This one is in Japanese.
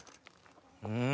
うん！